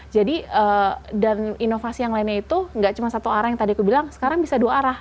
jadi dan inovasi yang lainnya itu nggak cuma satu arah yang tadi aku bilang sekarang bisa dua arah